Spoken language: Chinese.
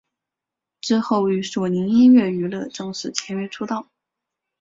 之后与索尼音乐娱乐正式签约出道。